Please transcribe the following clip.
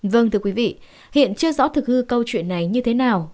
vâng thưa quý vị hiện chưa rõ thực hư câu chuyện này như thế nào